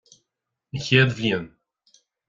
An Chéad Bhliain